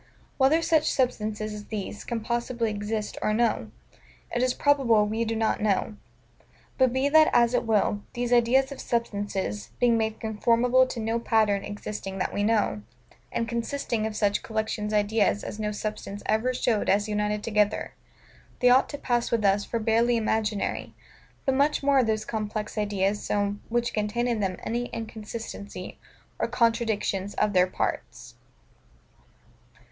Whether such substances as these can possibly exist or no, it is probable we do not know: but be that as it will, these ideas of substances, being made conformable to no pattern existing that we know; and consisting of such collections of ideas as no substance ever showed us united together, they ought to pass with us for barely imaginary: but much more are those complex ideas so, which contain in them any inconsistency or contradiction of their parts.